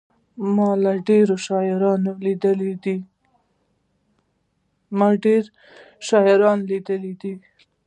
ما ډېري شاعران لېدلي دي.